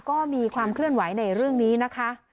ก็มีความเคลื่อนไหวในเรื่องนี้นะคะ